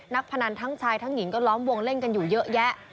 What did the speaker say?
พนันทั้งชายทั้งหญิงก็ล้อมวงเล่นกันอยู่เยอะแยะ